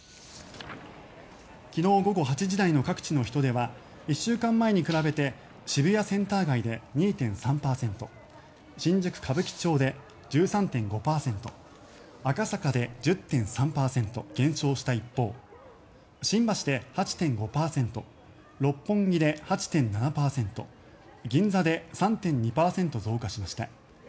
昨日午後８時台の各地の人出は１週間前と比べて渋谷センター街で２．３％新宿・歌舞伎町で１３．５％赤坂で１０．３％減少した一方新橋で８．５％六本木で８．７％銀座で３．２％増加しました。